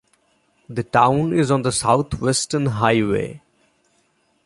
The town is on the South Western Highway.